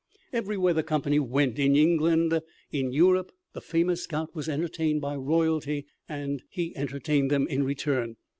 Everywhere the company went in England, in Europe, the famous scout was entertained by royalty and entertained them in return.